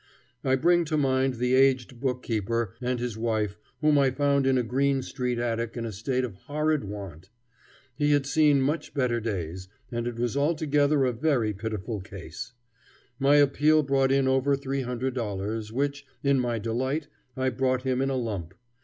I bring to mind the aged bookkeeper and his wife whom I found in a Greene Street attic in a state of horrid want. He had seen much better days, and it was altogether a very pitiful case. My appeal brought in over $300, which, in my delight, I brought him in a lump.